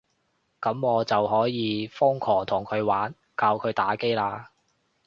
噉我就可以瘋狂同佢玩，教佢打機喇